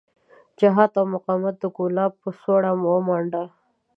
جهاد او مقاومت د کولاب په سوړه ومانډه.